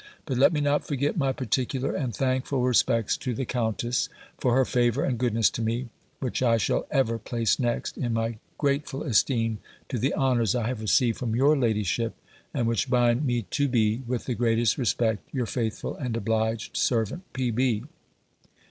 But let me not forget my particular and thankful respects to the Countess, for her favour and goodness to me, which I shall ever place next, in my grateful esteem, to the honours I have received from your ladyship, and which bind me to be, with the greatest respect, your faithful and obliged servant, P.